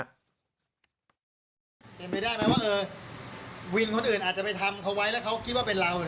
เป็นไปได้ไหมว่าเออวินคนอื่นอาจจะไปทำเขาไว้แล้วเขาคิดว่าเป็นเรา